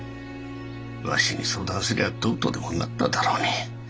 わしに相談すりゃどうとでもなっただろうに。